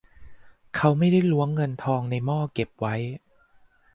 เขาไม่ได้ล้วงเงินทองในหม้อเก็บไว้